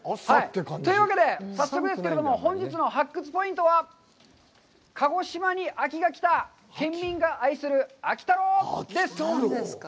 というわけで、早速ですけれども、本日の発掘ポイントは、「鹿児島に秋が来た！県民が愛する秋太郎」です。